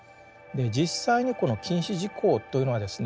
実際にこの禁止事項というのはですね